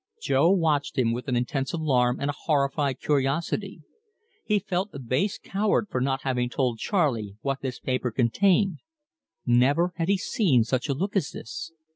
Jo watched him with an intense alarm and a horrified curiosity. He felt a base coward for not having told Charley what this paper contained. Never had he seen such a look as this.